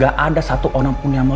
gak ada satu orang pun yang mau